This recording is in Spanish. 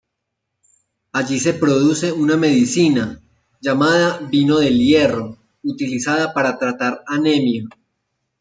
Allí se produce una medicina, llamada "Vino del hierro", utilizada para tratar anemia.